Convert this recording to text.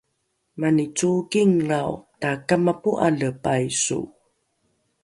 mani cookinglrao takamapo’ale paiso